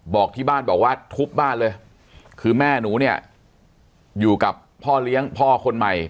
บอกที่บ้านบอกว่าทุบบ้านเลยคือแม่หนูเนี่ยอยู่กับพ่อเลี้ยงพ่อคนใหม่